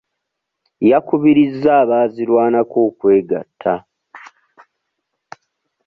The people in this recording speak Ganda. Yakubirizza abaazirwanako okwegatta.